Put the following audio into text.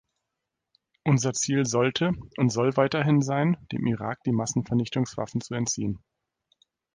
Unser Ziel sollte und soll weiterhin sein, dem Irak die Massenvernichtungswaffen zu entziehen.